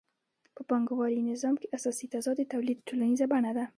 په پانګوالي نظام کې اساسي تضاد د تولید ټولنیزه بڼه ده